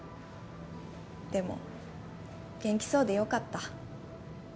でも元気そうで良かった。